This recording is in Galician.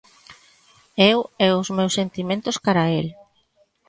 Eu e os meus sentimentos cara a el.